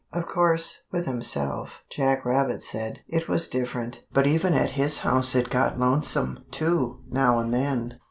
Of course, with himself, Jack Rabbit said, it was different, but even at his house it got lonesome, too, now and then.